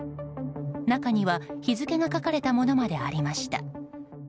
中には日付けが書かれたものまでありました。